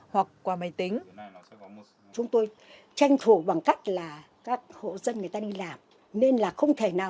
hoặc qua máy tính